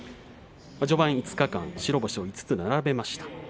序盤５日間白星を５つ並べました。